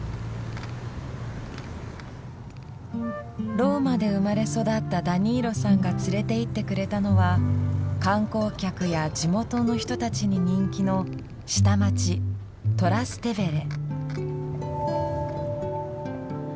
ローマで生まれ育ったダニーロさんが連れて行ってくれたのは観光客や地元の人たちに人気の下町トラステヴェレ。